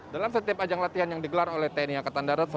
dalam setiap ajang latihan yang digelar oleh tni angkatan darat